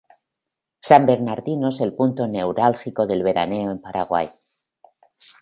San Bernardino es el punto neurálgico del veraneo en Paraguay.